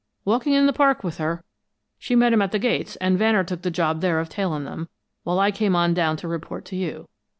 "Walking in the park with her. She met him at the gates, and Vanner took the job there of tailing them, while I came on down to report to you."